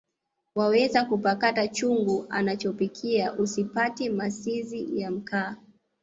Wawezakupakata chungu anachopikia usipate masizi ya mkaa